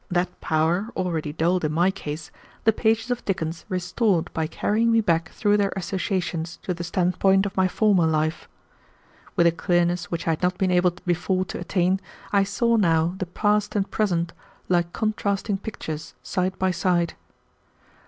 That power, already dulled in my case, the pages of Dickens restored by carrying me back through their associations to the standpoint of my former life. With a clearness which I had not been able before to attain, I saw now the past and present, like contrasting pictures, side by side.